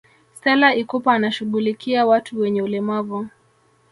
stela ikupa anashughulikia watu wenye ulemavu